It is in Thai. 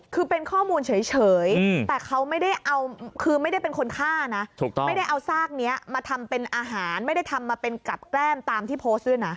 คือเป็นข้อมูลเฉยแต่เขาไม่ได้เอาคือไม่ได้เป็นคนฆ่านะไม่ได้เอาซากนี้มาทำเป็นอาหารไม่ได้ทำมาเป็นกับแกล้มตามที่โพสต์ด้วยนะ